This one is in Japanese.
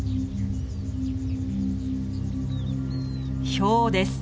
ヒョウです。